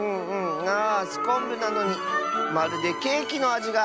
あすこんぶなのにまるでケーキのあじが。